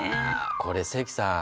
これ関さん。